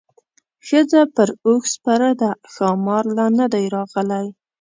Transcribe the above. ښځه پر اوښ سپره ده ښامار لا نه دی راغلی.